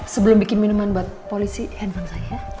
sebelum bikin minuman buat polisi handphone saya